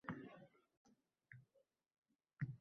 Zinhor yolg‘on gapira ko‘rmang.